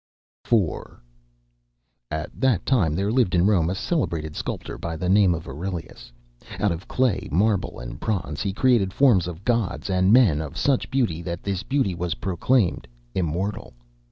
IV At that time there lived in Rome a celebrated sculptor by the name of Aurelius. Out of clay, marble and bronze he created forms of gods and men of such beauty that this beauty was proclaimed immortal.